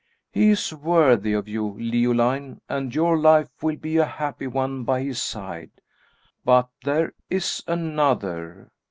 He is worthy, of you, Leoline, and your life will be a happy one by his side; but there is another."